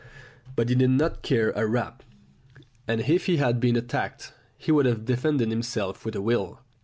But he did not care a rap, and if he had been attacked, he would have defended himself with a will.